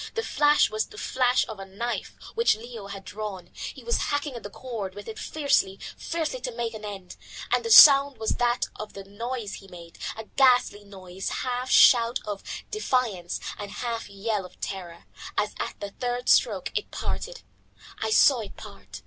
The flash was the flash of a knife which Leo had drawn. He was hacking at the cord with it fiercely, fiercely, to make an end. And the sound was that of the noise he made, a ghastly noise, half shout of defiance and half yell of terror, as at the third stroke it parted. I saw it part.